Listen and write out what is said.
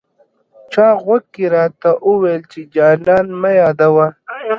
چا غوږ کي راته وويل، چي جانان مه يادوه